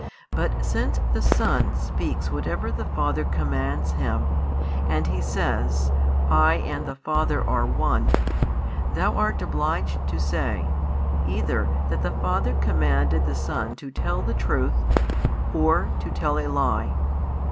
But since the Son speaks whatever the Father commands Him, and He says: I and the Father are One, thou art obliged to say, either that the Father commanded the Son to tell the truth, or to tell a lie.